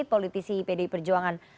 politisi pdi perjuangan